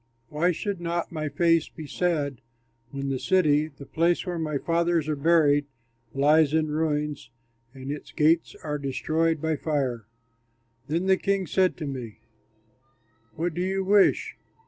Why should not my face be sad, when the city, the place where my fathers are buried, lies in ruins and its gates are destroyed by fire?" Then the king said to me, "What do you wish?"